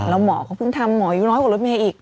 แล้วหมอเขาเพิ่งทำหมอยังน้อยกว่ารถเมย์อีก